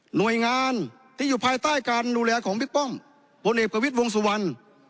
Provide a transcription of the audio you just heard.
หน่วยงานที่อยู่ภายใต้การดูแลของบิ๊กป้อมพลเอกประวิทย์วงสุวรรณ